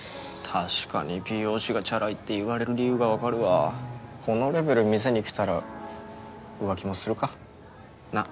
確かに美容師がチャラいっていわれる理由が分かるわこのレベル店に来たら浮気もするかなっ？